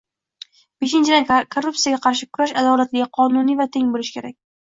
Beshinchidan, korrupsiyaga qarshi kurash adolatli, qonuniy va teng bo'lishi kerak